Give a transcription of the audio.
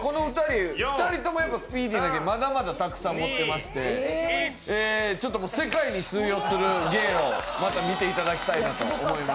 ２人ともスピーディーな芸、まだまだたくさん持ってまして世界に通用する芸をまた見ていただきたいと思います。